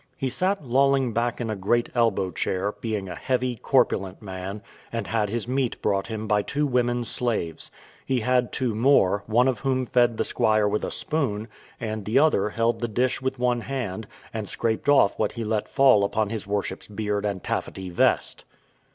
He sat lolling back in a great elbow chair, being a heavy corpulent man, and had his meat brought him by two women slaves. He had two more, one of whom fed the squire with a spoon, and the other held the dish with one hand, and scraped off what he let fall upon his worship's beard and taffety vest.